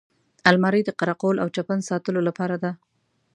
الماري د قره قل او چپن ساتلو لپاره ده